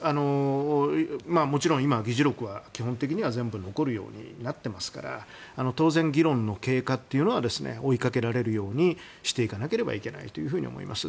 議事録は全部残るようになっていますから当然、議論の経過というのは追いかけられるようにしていかなければならないと思っています。